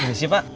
apa sih pak